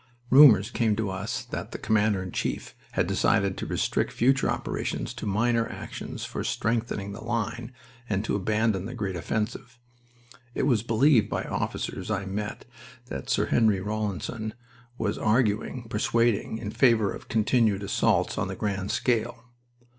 Rumors came to us that the Commander in Chief had decided to restrict future operations to minor actions for strengthening the line and to abandon the great offensive. It was believed by officers I met that Sir Henry Rawlinson was arguing, persuading, in favor of continued assaults on the grand scale.